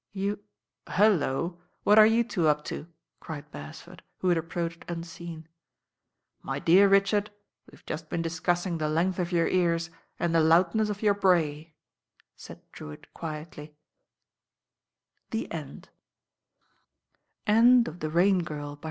You " "Hullo 1 what are you two up to?" cried Beres ford, who had approached unseen. "My dear Richard, we've just been discussing the length of your ears and the loudness of your bray," said Drewitt quietly.